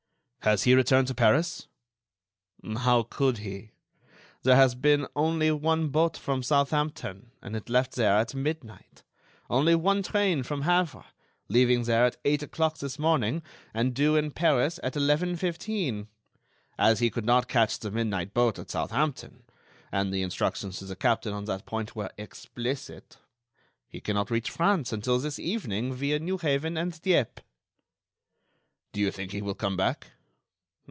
"Has he returned to Paris?" "How could he? There has been only one boat come from Southampton and it left there at midnight; only one train from Havre, leaving there at eight o'clock this morning and due in Paris at eleven fifteen. As he could not catch the midnight boat at Southampton—and the instructions to the captain on that point were explicit—he cannot reach France until this evening via Newhaven and Dieppe." "Do you think he will come back?"